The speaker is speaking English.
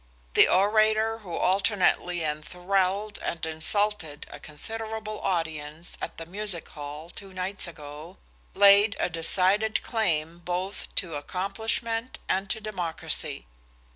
The orator who alternately enthralled and insulted a considerable audience at the Music Hall, two nights ago, laid a decided claim both to accomplishment and to democracy.